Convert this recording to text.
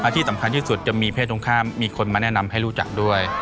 ที่สำคัญที่สุดจะมีเพศตรงข้ามมีคนมาแนะนำให้รู้จักด้วย